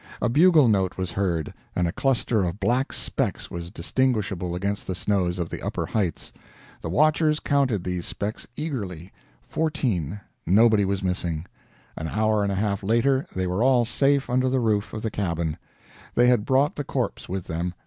A bugle note was heard, and a cluster of black specks was distinguishable against the snows of the upper heights. The watchers counted these specks eagerly fourteen nobody was missing. An hour and a half later they were all safe under the roof of the cabin. They had brought the corpse with them.